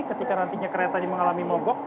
ketika nantinya keretanya mengalami mogok